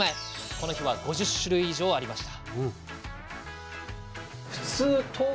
この日は５０種類以上ありました。